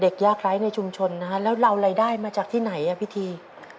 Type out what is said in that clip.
ยากไร้ในชุมชนนะฮะแล้วเรารายได้มาจากที่ไหนอ่ะพี่ที